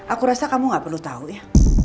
aku rasa kamu gak perlu tahu ya